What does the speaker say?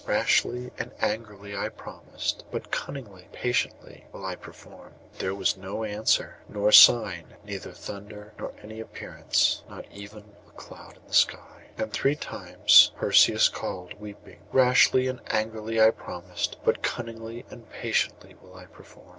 Rashly and angrily I promised; but cunningly and patiently will I perform.' But there was no answer, nor sign; neither thunder nor any appearance; not even a cloud in the sky. And three times Perseus called weeping, 'Rashly and angrily I promised; but cunningly and patiently will I perform.